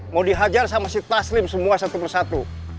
mau dihajar sama si taslim semua satu persatu